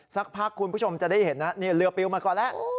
สักพักคุณผู้ชมจะได้เห็นนะเรือปิวมาก่อนแล้ว